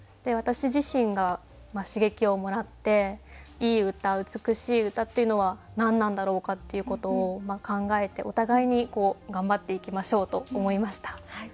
私自身が刺激をもらっていい歌美しい歌っていうのは何なんだろうかっていうことを考えてお互いに頑張っていきましょうと思いました。